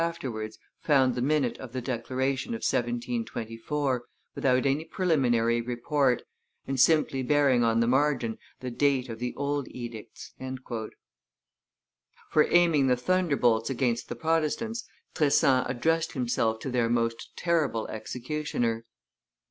afterwards found the minute of the declaration of 1724, without any preliminary report, and simply bearing on the margin the date of the old edicts." For aiming the thunderbolts against the Protestants, Tressan addressed himself to their most terrible executioner.